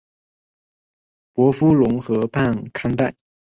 伯夫龙河畔康代。